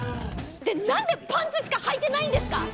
で何でパンツしかはいてないんですか！？